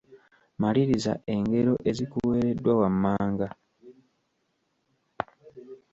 Maliriza engero ezikuweereddwa wammanga.